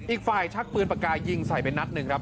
อีกฝ่ายชักปืนปากกายิงใส่ไปนัดหนึ่งครับ